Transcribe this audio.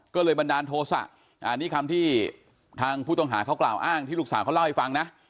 ก็เลยบันดาลโทษะอันนี้คำที่ทางผู้ต้องหาเขากล่าวอ้างที่ลูกสาวเขาเล่าให้ฟังนะ